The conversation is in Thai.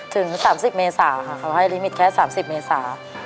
ถึงสามสิบเมษาค่ะเขาให้ลิมิตแค่สามสิบเมษา